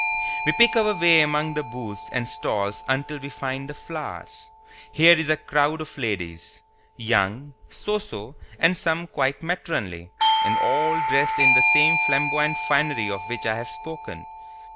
We pick our way among the booths and stalls until we find the flowers. Here is a crowd of ladies, young, so so and some quite matronly, and all dressed in this same flamboyant finery of which I have spoken.